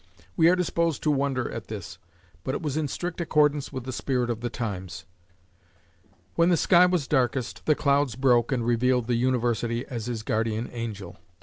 We are disposed to wonder at this, but it was in strict accordance with the spirit of the times. When the sky was darkest, the clouds broke and revealed the university as his guardian angel. Dr.